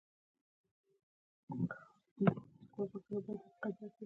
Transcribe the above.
ورته ومې ویل، ښه اوس دا راته ووایه.